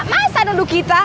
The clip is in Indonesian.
masa duduk kita